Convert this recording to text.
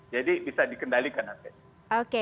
jadi bisa dikendalikan harganya